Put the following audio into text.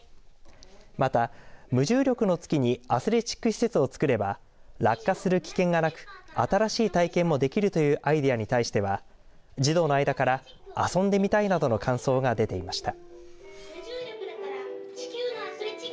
また、無重力の月にアスレチック施設をつくれば落下する危険がなく新しい体験もできるというアイデアに対しては児童の間から遊んでみたいなどの感想が出ていました。